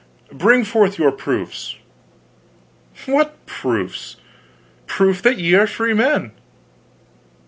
Bring forth your proofs." "What proofs?" "Proof that ye are freemen."